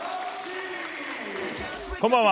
こんばんは。